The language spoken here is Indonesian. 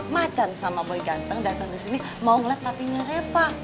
macem sama boy ganteng datang disini mau ngeliat tapinya reva